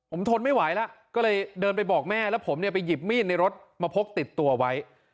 ผมทนไม่ไหวแล้วก็เลยเดินไปบอกแม่แล้วผมเนี่ยไปหยิบมีดในรถมาพกติดตัวไว้